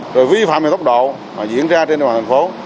rồi vi phạm vì tốc độ